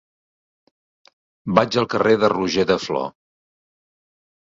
Vaig al carrer de Roger de Flor.